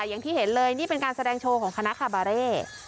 อย่างที่เห็นเลยนี่เป็นการแสดงโชว์ของคณะคาบาเร่